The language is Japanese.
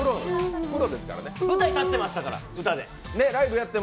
舞台立ってましたから歌で。